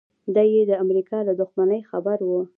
دی یې د امریکا له دښمنۍ خبر و